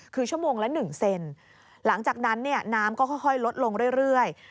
คือชั่วโมงละ๑เซนหลังจากนั้นเนี่ยน้ำก็ค่อยลดลงเรื่อย